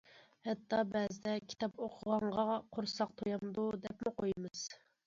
ھەتتا بەزىدە‹‹ كىتاب ئوقۇغانغا قورساق تويامدۇ؟›› دەپمۇ قويىمىز.